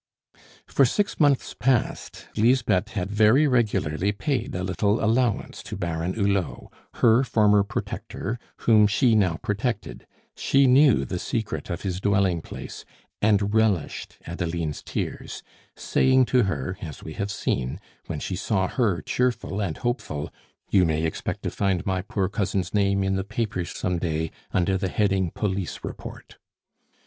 For six months past Lisbeth had very regularly paid a little allowance to Baron Hulot, her former protector, whom she now protected; she knew the secret of his dwelling place, and relished Adeline's tears, saying to her, as we have seen, when she saw her cheerful and hopeful, "You may expect to find my poor cousin's name in the papers some day under the heading 'Police Report.